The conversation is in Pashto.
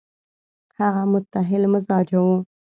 هغه متحمل مزاجه وو.